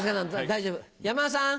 大丈夫山田さん